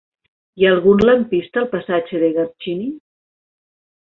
Hi ha algun lampista al passatge de Garcini?